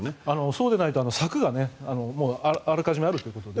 そうでないと柵があらかじめあるということで。